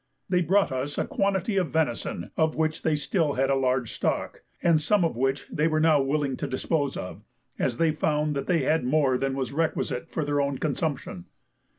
They brought us a quantity of venison, of which they had still a large stock, and some of which they were now willing to dispose of, as they found that they had more than was requisite for their own consumption.